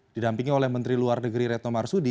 didampingi oleh menteri luar negeri retno marsudi